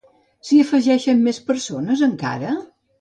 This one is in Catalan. S'hi afegeixen més persones, encara?